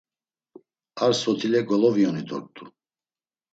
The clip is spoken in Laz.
Ar sotile golovioni dort̆u.